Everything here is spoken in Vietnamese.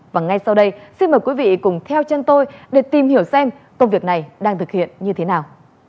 và ngay sau đây xin mời quý vị cùng theo chân tôi để tìm hiểu xem công việc này đang thực hiện như thế nào